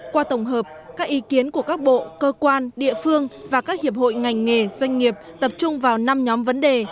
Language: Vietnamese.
qua tổng hợp các ý kiến của các bộ cơ quan địa phương và các hiệp hội ngành nghề doanh nghiệp tập trung vào năm nhóm vấn đề